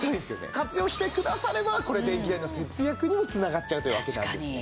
活用してくださればこれ電気代の節約にも繋がっちゃうというわけなんですね。